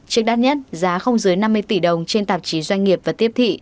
trích đắt nhất giá không dưới năm mươi tỷ đồng trên tạp chí doanh nghiệp và tiếp thị